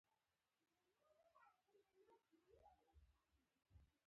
د ښوونځي ودانۍ باید د زده کړې لپاره مناسب چاپیریال ولري.